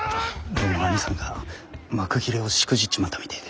どうも兄さんが幕切れをしくじっちまったみてえで。